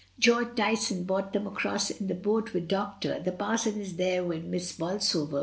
"George Tyson brought them across in t' boat wi' doctor; the parson is there wi' Miss Bol sover.